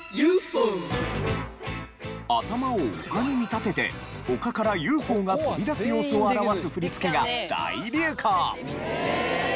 頭を丘に見立てて丘からＵＦＯが飛び出す様子を表す振り付けが大流行。